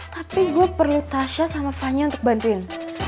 tapi gue perlu tasya sama fania untuk bantuin